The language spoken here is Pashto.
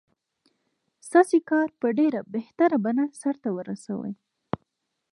ستاسې کار په ډېره بهتره بڼه سرته ورسوي.